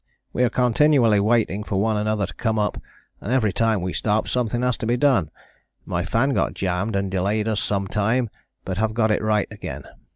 We are continually waiting for one another to come up, and every time we stop something has to be done, my fan got jammed and delayed us some time, but have got it right again.